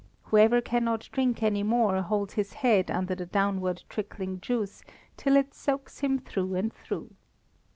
Whoever cannot drink any more holds his head under the downward trickling juice till it soaks him through and through.